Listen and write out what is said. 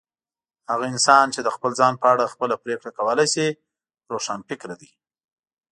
هغه انسان چي د خپل ځان په اړه خپله پرېکړه کولای سي، روښانفکره دی.